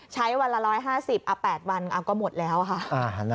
ใช้วันละ๑๕๐๘วันก็หมดแล้วค่ะ